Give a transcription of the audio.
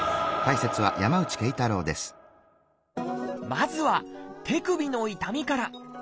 まずは「手首の痛み」から。